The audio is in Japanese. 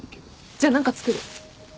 じゃあ何か作る。